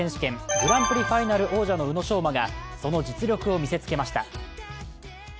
グランプリファイナル王者の宇野昌磨がその実力を見せつけました。